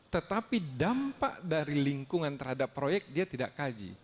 tetapi dampak dari lingkungan terhadap proyek dia tidak kaji